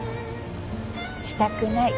したくない。